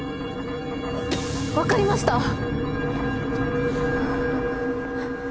分かりました！